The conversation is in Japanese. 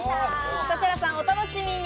指原さん、お楽しみに。